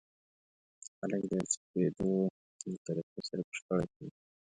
خلک د يو څه د کېدو له طريقې سره په شخړه کې وي.